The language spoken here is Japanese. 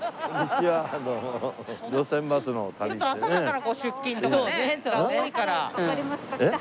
ちょっと朝だから出勤とかが多いから。